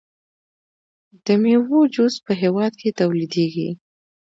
د میوو جوس په هیواد کې تولیدیږي.